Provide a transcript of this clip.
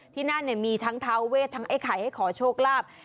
ที่นั่นมีทั้งท้าเวททั้งไอ้ไข่ให้ขอโชคลาภ